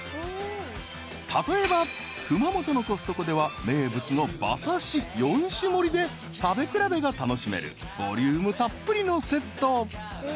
［例えば熊本のコストコでは名物の馬刺し４種盛りで食べ比べが楽しめるボリュームたっぷりのセット］